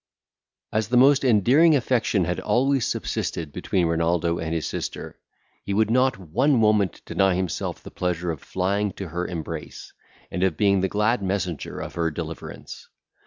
As the most endearing affection had always subsisted between Renaldo and his sister, he would not one moment deny himself the pleasure of flying to her embrace, and of being the glad messenger of her deliverance.